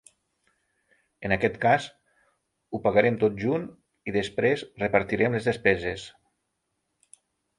En aquest cas, ho pagarem tot junt i desprès repartirem les despeses.